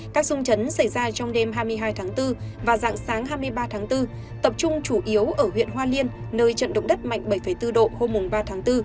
các dung chấn xảy ra trong đêm hai mươi hai tháng bốn và dạng sáng hai mươi ba tháng bốn tập trung chủ yếu ở huyện hoa liên nơi trận động đất mạnh bảy bốn độ hôm ba tháng bốn